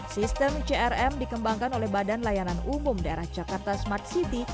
sistem crm dikembangkan oleh badan layanan umum daerah jakarta smart city